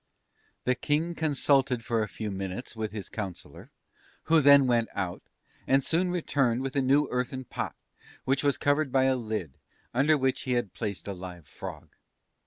"The King consulted for a few minutes with his Councillor, who then went out, and soon returned with a new earthen pot, which was covered by a lid, under which he had placed a live frog.